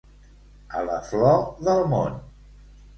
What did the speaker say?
A la flor del món.